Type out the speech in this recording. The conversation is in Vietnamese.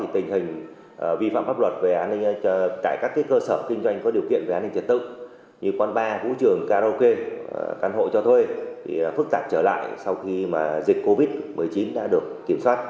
tình hình vi phạm pháp luật về an ninh trật tự như quán bar vũ trường karaoke căn hộ cho thuê phức tạp trở lại sau khi dịch covid một mươi chín đã được kiểm soát